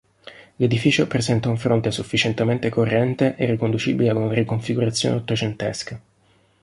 L'edificio presenta un fronte sufficientemente corrente e riconducibile a una riconfigurazione ottocentesca.